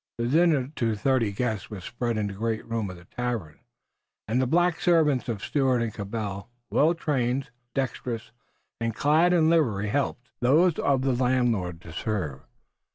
The dinner to thirty guests was spread in the great room of the tavern and the black servants of Stuart and Cabell, well trained, dextrous and clad in livery, helped those of the landlord to serve.